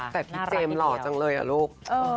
แต่พี่เจมส์หล่อจังเลยอะลูก